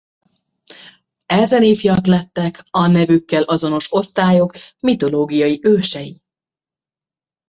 Ezen ifjak lettek a nevükkel azonos osztályok mitológiai ősei.